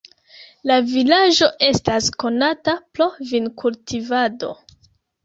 La vilaĝo estas konata pro vinkultivado.